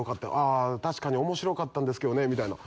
「あ確かに面白かったんですけどね」みたいな。